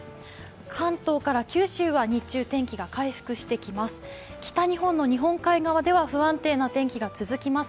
関東から九州は日中、天気が回復してきます。